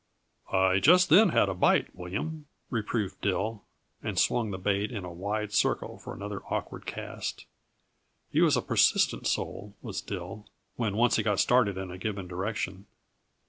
"I just then had a bite, William," reproved Dill, and swung the bait in a wide circle for another awkward cast. He was a persistent soul, was Dill, when once he got started in a given direction.